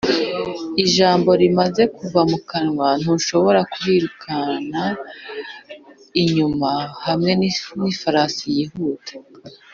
ijambo rimaze kuva mu kanwa, ntushobora kurirukana inyuma hamwe nifarasi yihuta